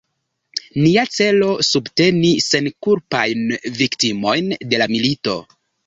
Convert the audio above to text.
Nia celo: subteni senkulpajn viktimojn de la milito.